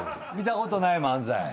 見たことない漫才。